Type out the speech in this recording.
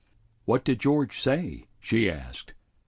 "What did George say?" she asked.